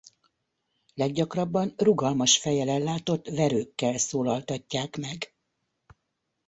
Leggyakrabban rugalmas fejjel ellátott verőkkel szólaltatják meg.